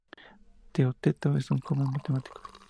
Teeteto es un joven matemático.